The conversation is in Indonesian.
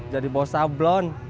jadi bawa sablon